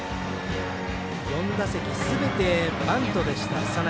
４打席すべてバントでした、佐仲。